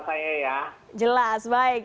sudah jelas baik